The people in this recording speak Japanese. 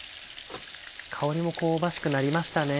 香りも香ばしくなりましたね。